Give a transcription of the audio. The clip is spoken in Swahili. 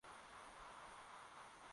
Waziri Mkuu ni Kassim Majaliwa Majaliwa